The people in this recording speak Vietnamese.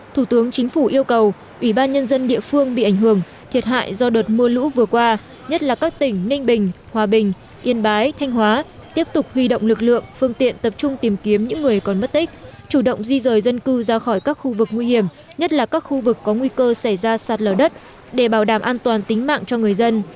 thủ tướng chính phủ yêu cầu ủy ban nhân dân địa phương bị ảnh hưởng thiệt hại do đợt mưa lũ vừa qua nhất là các tỉnh ninh bình hòa bình yên bái thanh hóa tiếp tục huy động lực lượng phương tiện tập trung tìm kiếm những người còn mất tích chủ động di rời dân cư ra khỏi các khu vực nguy hiểm nhất là các khu vực có nguy cơ xảy ra sạt lở đất để bảo đảm an toàn tính mạng cho người dân